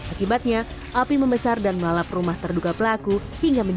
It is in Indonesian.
akibatnya api membesar dan melalap rumah terduga pelaku